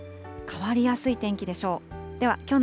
変わりやすい天気でしょう。